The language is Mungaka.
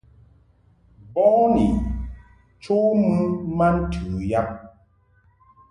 Boni cho mɨ ma ntɨ yab.